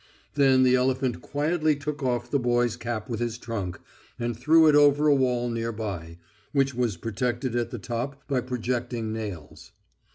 Then the elephant quietly took off the boy's cap with his trunk and threw it over a wall near by, which was protected at the top by projecting nails.